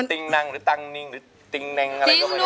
มันติ๊งนังตังนิงหรือติ๊งแรงอะไรก็ไม่รู้